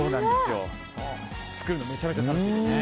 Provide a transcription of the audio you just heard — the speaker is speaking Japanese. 作るのめちゃめちゃ楽しいです。